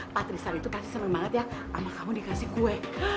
patrisan itu kasih senang banget ya sama kamu dikasih kue